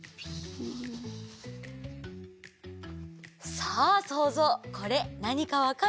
さあそうぞうこれなにかわかる？